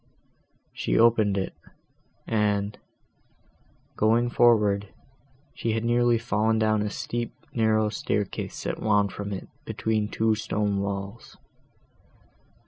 She opened it, and, going forward, had nearly fallen down a steep, narrow staircase that wound from it, between two stone walls.